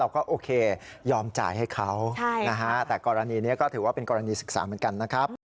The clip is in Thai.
ก็โอเคยอมจ่ายให้เขานะฮะแต่กรณีนี้ก็ถือว่าเป็นกรณีศึกษาเหมือนกันนะครับ